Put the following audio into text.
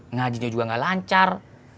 ngajinnya juga gak lancar